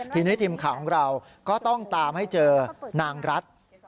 ทีนี้ทีมข่าวของเราก็ต้องตามให้เจอนางรัฐ